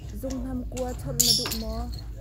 Zunghnam kua cawh an duh.